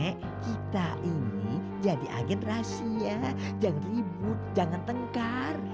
nek kita ini jadi agen rahasia jangan ribut jangan tengkar